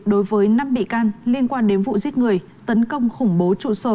đối với năm bị can liên quan đến vụ giết người tấn công khủng bố trụ sở